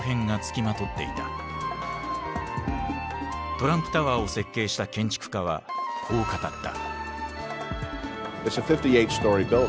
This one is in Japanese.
トランプタワーを設計した建築家はこう語った。